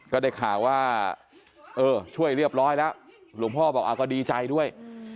ก็ได้ข่าวว่าเออช่วยเรียบร้อยแล้วหลวงพ่อบอกก็ดีใจด้วย